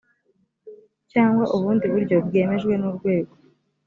cyangwa ubundi buryo bwemejwe n urwego